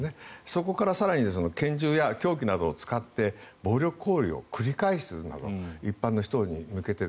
そこから更に拳銃や凶器などを使って暴力行為を繰り返すなど一般の人に向けて。